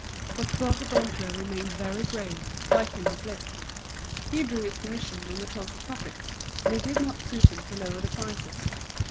But Bourdoncle remained very grave, biting his lips. He drew his commission on the total profits, and it did not suit him to lower the prices.